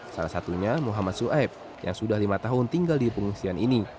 salah satunya muhammad suaib yang sudah lima tahun tinggal di pengungsian ini